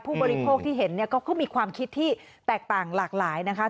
ผู้บริโภคที่เห็นเนี่ยก็มีความคิดที่แตกต่างหลากหลายนะคะ